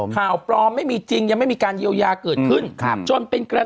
ข่าวพร้อมไม่มีจริงยังไม่มีการเยียวยาเกิดขึ้น